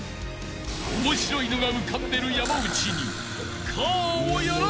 ［面白いのが浮かんでる山内に］